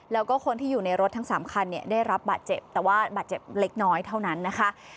แล้วก็คนที่อยู่ในรถทั้ง๓คันเนี่ยได้รับบาดเจ็บแต่ว่าบาดเจ็บเล็กน้อยเท่านั้นนะคะ